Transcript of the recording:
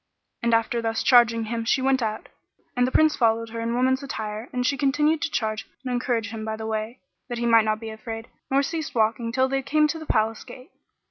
And after thus charging him she went out, and the Prince followed her in woman's attire and she continued to charge and encourage him by the way, that he might not be afraid; nor ceased they walking till they came to the Palace gate.